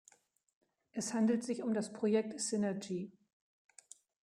Es handelt sich um das Projekt Synergy.